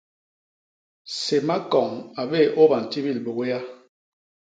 Sé Makoñ a bé ôbantibil biwéya.